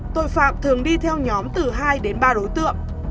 tội phạm thường đi theo nhóm từ hai đến ba đối tượng